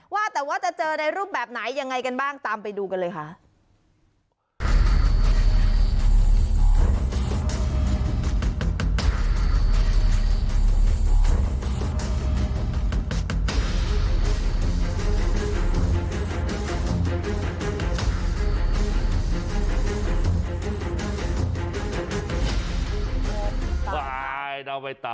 ว่าแต่ว่าจะเจอในรูปแบบไหนยังไงกันบ้างตามไปดูกันเลยค่ะ